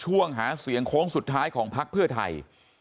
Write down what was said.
ช่วงหาเสียงโค้งสุดท้ายของภักดิ์เพื่อไทย